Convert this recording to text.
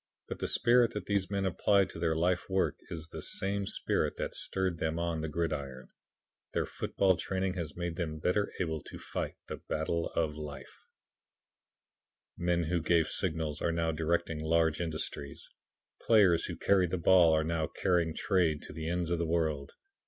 But the spirit that these men apply to their life work is the same spirit that stirred them on the gridiron. Their football training has made them better able to fight the battle of life. Men who gave signals, are now directing large industries. Players who carried the ball, are now carrying trade to the ends of the world.